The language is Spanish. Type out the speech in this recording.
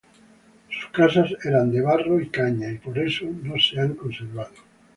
Sus casas eran de barro y caña y por eso no se han conservado.